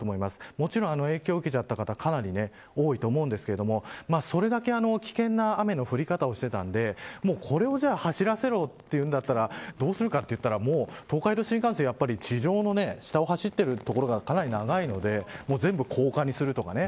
もちろん、影響を受けた方はかなり多いと思うんですけれどもそれだけ危険な雨の降り方をしていたのでこれを走らせろと言うんだったらどうするかといったら東海道新幹線は地上の下を走っている所がかなり長いので全部高架にするとかね。